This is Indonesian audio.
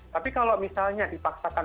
tapi kalau misalnya dipaksakan